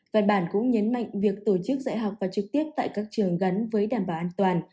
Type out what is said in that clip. văn bản cũng nhấn mạnh việc tổ chức dạy học và trực tiếp tại các trường gắn với đảm bảo an toàn